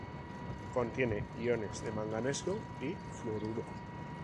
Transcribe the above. Contiene iones de manganeso y fluoruro.